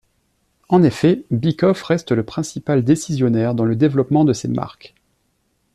En effet, Bikoff reste le principal décisionnaire dans le développement de ses marques.